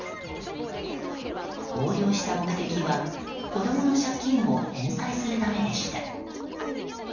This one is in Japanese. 横領した目的は子供の借金を返済するためでした。